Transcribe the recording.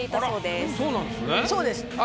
そうです。